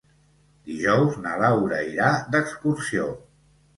Dijous na Laura irà d'excursió.